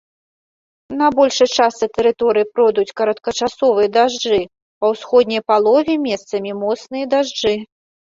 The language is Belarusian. На большай частцы тэрыторыі пройдуць кароткачасовыя дажджы, па ўсходняй палове месцамі моцныя дажджы.